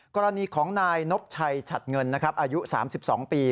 กรณีของนายนบชัยฉัดเงินนะครับอายุ๓๒ปี